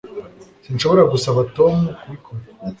Sinshobora gusaba Tom kubikora